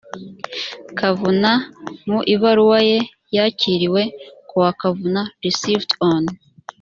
kavuna mu ibaruwa ye yakiriwe kuwa kavuna receved on